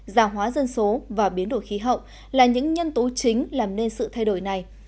già hóa dân số và biến đổi khí hậu là những nhân tố chính làm nên sự thay đổi này